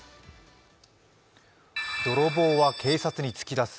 泥棒は警察に突き出す。